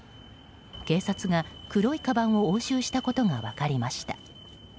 警察が、黒いかばんを押収したことが分かりました。